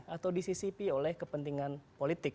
atau disisipi oleh kepentingan politik